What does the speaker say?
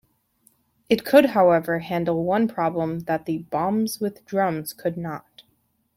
It could, however, handle one problem that the bombes with drums could not.